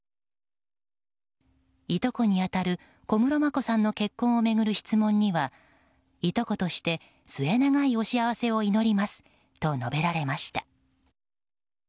いとこに当たる小室眞子さんの結婚を巡る質問にはいとことして末永いお幸せを祈りますと述べられました。